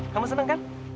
kamu senang kan